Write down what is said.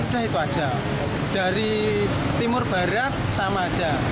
udah itu aja dari timur barat sama aja